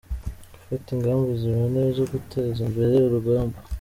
– Gufata ingamba ziboneye zo guteza imbere urugamba;